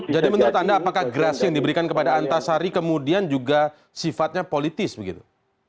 jadi menurut anda apakah gerasi yang diberikan kepada antasari kemudian juga sifatnya politis begitu